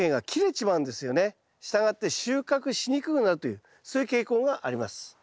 したがって収穫しにくくなるというそういう傾向があります。